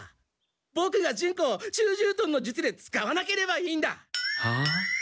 ボクがジュンコを虫獣の術で使わなければいいんだ。はあ？